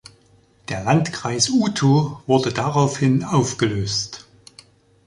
Der Landkreis Uto wurde daraufhin aufgelöst.